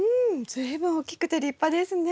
随分大きくて立派ですね。